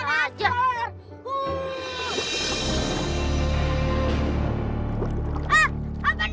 ah dasar penakut